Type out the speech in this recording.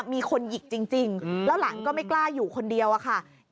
มีคนหยิกจริงแล้วหลานก็ไม่กล้าอยู่คนเดียวอะค่ะ